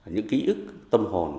những ký ức tâm hồn